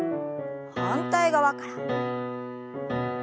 反対側から。